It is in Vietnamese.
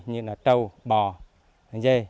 như là trâu bò dê